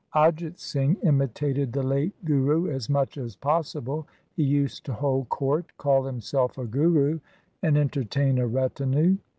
Ajit Singh imitated the late Guru as much as possible. He used to hold court, call himself a guru, and enter tain a retinue.